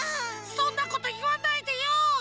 そんなこといわないでよ！